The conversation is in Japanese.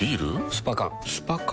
スパ缶スパ缶？